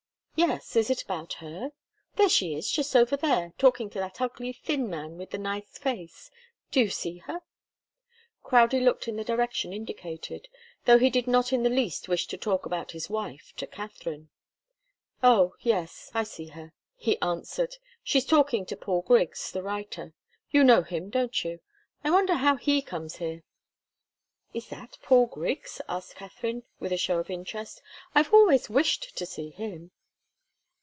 "Yes. Is it about her? There she is, just over there talking to that ugly, thin man with the nice face. Do you see her?" Crowdie looked in the direction indicated, though he did not in the least wish to talk about his wife to Katharine. "Oh, yes; I see her," he answered. "She's talking to Paul Griggs, the writer. You know him, don't you? I wonder how he comes here!" "Is that Paul Griggs?" asked Katharine, with a show of interest. "I've always wished to see him."